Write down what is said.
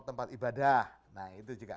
tempat ibadah nah itu juga